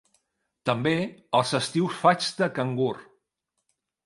També, els estius faig de cangur.